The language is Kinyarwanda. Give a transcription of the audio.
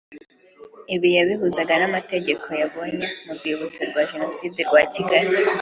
Ibi yabihuzaga n’amateka yabonye mu Rwibutso rwa Jenoside rwa Kigali